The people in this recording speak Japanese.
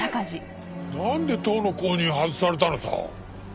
なんで党の公認外されたのさ。